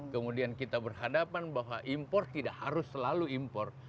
kemudian kita berhadapan bahwa impor tidak harus selalu impor